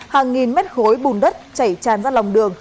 hàng nghìn mét khối bùn đất chảy tràn ra lòng đường